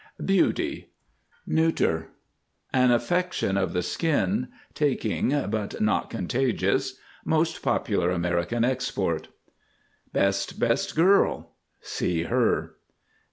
BEAUTY, f. An affection of the skin; taking but not contagious. Most popular American export. BEST. Best girl—see Her.